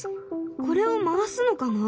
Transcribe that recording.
これを回すのかな？